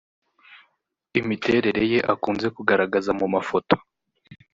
imiterere ye akunze kugaragaza mu mafoto